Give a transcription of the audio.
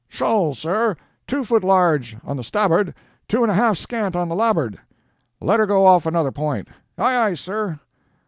"Shoal, sir. Two foot large, on the stabboard, two and a half scant on the labboard!" "Let her go off another point!" "Aye aye, sir!"